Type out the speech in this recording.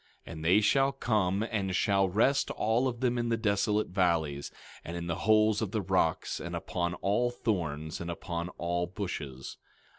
17:19 And they shall come, and shall rest all of them in the desolate valleys, and in the holes of the rocks, and upon all thorns, and upon all bushes.